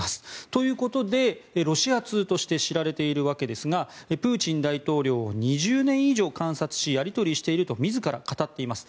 ということで、ロシア通として知られているわけですがプーチン大統領を２０年以上観察しやり取りしていると自ら語っています。